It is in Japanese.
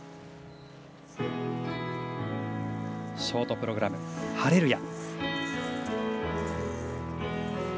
ショートプログラム「ハレルヤ」。